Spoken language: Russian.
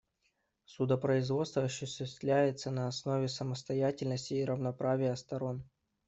Судопроизводство осуществляется на основе состязательности и равноправия сторон.